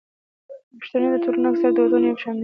د پښتني ټولنو اکثره دودونه يو شان دي.